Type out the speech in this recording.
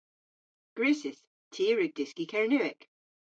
Gwrussys. Ty a wrug dyski Kernewek.